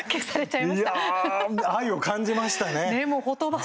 いや、愛を感じましたね。